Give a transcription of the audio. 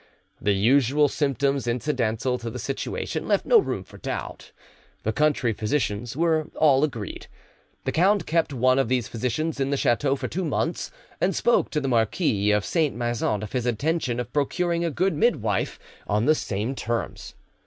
The usual symptoms incidental to the situation left no room for doubt: the country physicians were all agreed. The count kept one of these physicians in the chateau for two months, and spoke to the Marquis of Saint Maixent of his intention of procuring a good mid wife, on the same terms.